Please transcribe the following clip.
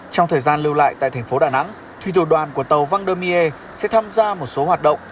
trong thời gian lưu lại tại thành phố đà nẵng thuy tử đoàn của tàu vendémier sẽ tham gia một số hoạt động